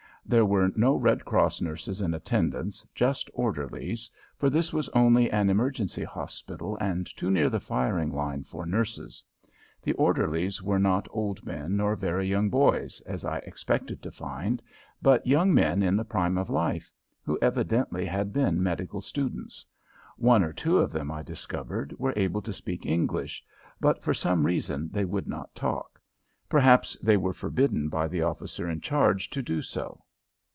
There were no Red Cross nurses in attendance, just orderlies, for this was only an emergency hospital and too near the firing line for nurses. The orderlies were not old men nor very young boys, as I expected to find, but young men in the prime of life, who evidently had been medical students. One or two of them, I discovered, were able to speak English, but for some reason they would not talk. Perhaps they were forbidden by the officer in charge to do so.